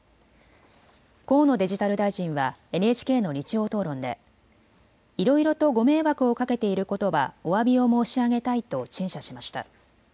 河野デジタル大臣はＮＨＫの日曜討論でいろいろとご迷惑をかけていることはおわびを申し上げたいと陳謝しました。